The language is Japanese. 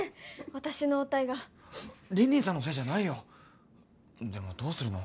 私の応対が凜々さんのせいじゃないよでもどうするの？